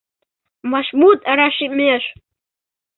Вашмут рашемеш